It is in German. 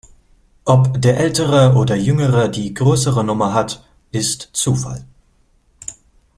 Ob der ältere oder jüngere die größere Nummer hat, ist „Zufall“.